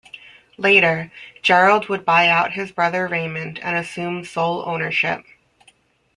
Later, Gerald would buy out his brother Raymond and assume sole ownership.